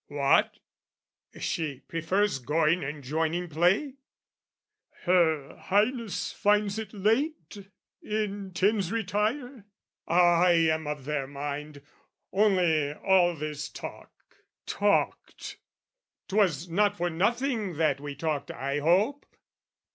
What, she prefers going and joining play? Her Highness finds it late, intends retire? I am of their mind: only, all this talk, talked, 'Twas not for nothing that we talked, I hope?